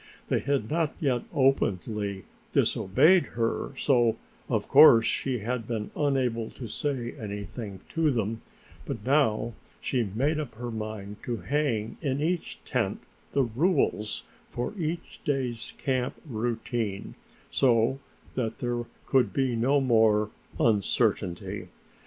They had not yet openly disobeyed her, so of course she had been unable to say anything to them, but now she made up her mind to hang in each tent the rules for each day's camp routine so that there could be no more uncertainty.